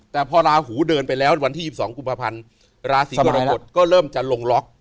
แต่พอราหูเดินไปแล้ววันที่๒๒กุมภาพันธ์ราศีกรกฎก็เริ่มจะลงล็อก